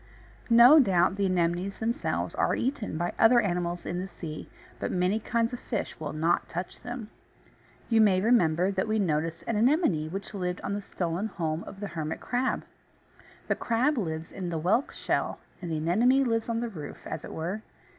No doubt the Anemones themselves are eaten by other animals in the sea, but many kinds of fish will not touch them. You may remember that we noticed an Anemone which lived on the stolen home of the Hermit Crab. The crab lives in the whelk shell, and the Anemone lives on the roof, as it were.